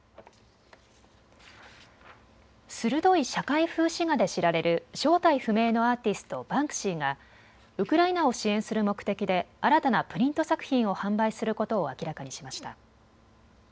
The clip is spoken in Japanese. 鋭い社会風刺画で知られる正体不明のアーティスト、バンクシーがウクライナを支援する目的で新たなプリント作品を販売することを明らかにしました。